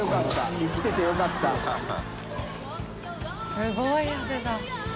すごい汗だ。